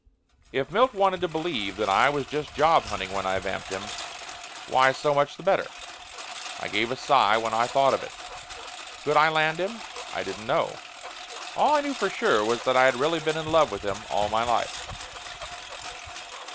If Milt wanted to believe that I was just job hunting when I vamped him, why so much the better. I give a sigh when I thought of it. Could I land him? I didn't know. All I knew for sure was that I had really been in love with him all my life.